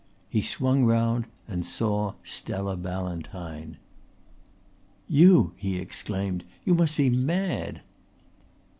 He swung round and saw Stella Ballantyne. "You!" he exclaimed. "You must be mad."